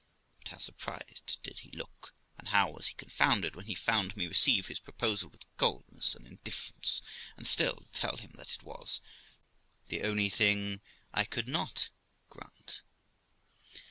But how surprised did he look, and how was he confounded, when he found me receive his proposal with coldness and indifference, and still tell him that it was the only thing I could not grant